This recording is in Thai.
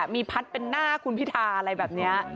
มีพัดเป็นหน้าคุณพิธาอะไรแบบนี้